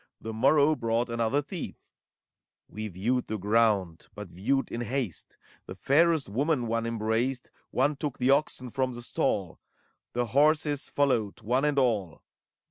The morrow brought another thief. ACT III. 161 We viewed the ground, but viewed in haste: The fairest woman one embraced, One took the oxen from the stall ; The horses followed, one and all.